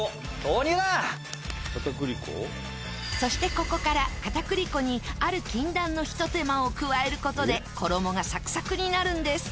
そしてここから片栗粉にある禁断のひと手間を加える事で衣がサクサクになるんです！